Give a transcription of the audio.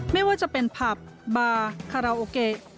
ไม่ว่าจะเป็นผับบาคาราโอเกะ